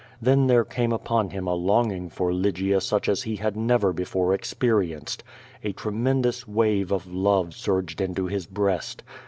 Then there came upon him a longing for Lygia such as he had never before experienced. A tremendous wave of love surged into his breast.